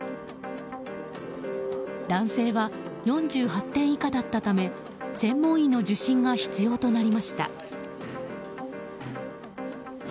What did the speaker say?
男性は４８点以下だったため専門医の受診が必要となりました。